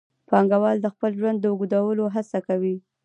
پانګوال د خپل ژوند د اوږدولو هڅه کوي